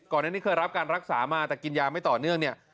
อันนี้เคยรับการรักษามาแต่กินยาไม่ต่อเนื่องเนี่ย